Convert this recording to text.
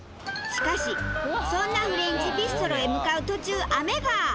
しかしそんなフレンチビストロへ向かう途中雨が！